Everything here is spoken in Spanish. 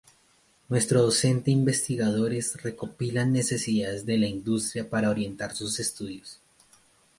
Nuestros docentes investigadores, recopilan necesidades de la industria para orientar sus estudios.